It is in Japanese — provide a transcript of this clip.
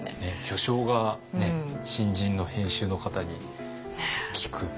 巨匠が新人の編集の方に聞く。